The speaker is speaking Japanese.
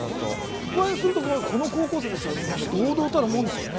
それを考えるとこの高校生たちは堂々たるものですよね。